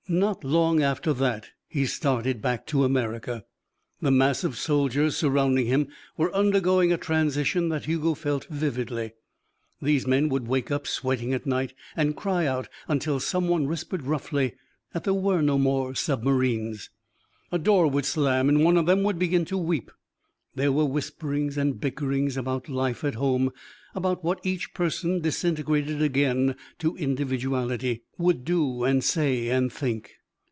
Not long after that he started back to America. The mass of soldiers surrounding him were undergoing a transition that Hugo felt vividly. These men would wake up sweating at night and cry out until someone whispered roughly that there were no more submarines. A door would slam and one of them would begin to weep. There were whisperings and bickerings about life at home, about what each person, disintegrated again to individuality, would do and say and think.